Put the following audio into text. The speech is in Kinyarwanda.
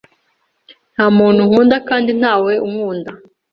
Nta muntu nkunda kandi ntawe unkunda.